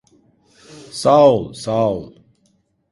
Sağ ol, sağ ol.